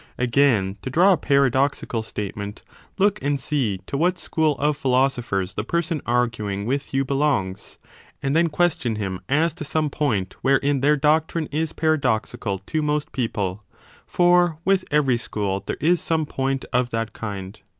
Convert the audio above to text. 2 Again, to draw a paradoxical statement, look and see to what school of philosophers the person arguing with you 30 belongs, and then question him as to some point wherein their doctrine is paradoxical to most people : for with every school there is some point of that kind.